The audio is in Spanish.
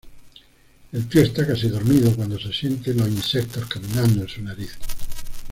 El tío está casi dormido cuando se siente los insectos caminando en su nariz.